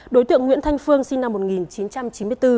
đối tượng nguyễn thanh phương sinh năm một nghìn chín trăm chín mươi bốn